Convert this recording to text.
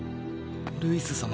ルイス様。